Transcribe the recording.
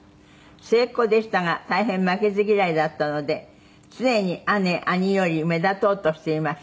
「末っ子でしたが大変負けず嫌いだったので常に姉兄より目立とうとしていました」